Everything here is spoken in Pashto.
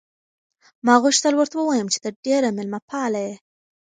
ما غوښتل ورته ووایم چې ته ډېره مېلمه پاله یې.